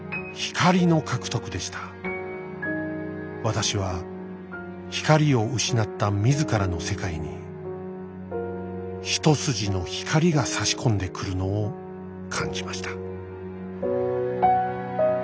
「私は光を失った自らの世界に一筋の光が差し込んでくるのを感じました」。